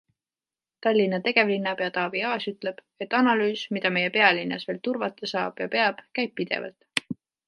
Tallinna tegevlinnapea Taavi Aas ütleb, et analüüs, mida meie pealinnas veel turvata saab ja peab, käib pidevalt.